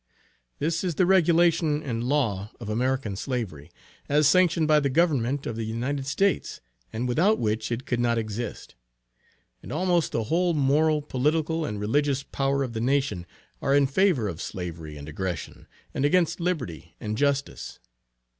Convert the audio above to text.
This is the regulation and law of American Slavery, as sanctioned by the Government of the United States, and without which it could not exist. And almost the whole moral, political, and religious power of the nation are in favor of slavery and aggression, and against liberty and justice.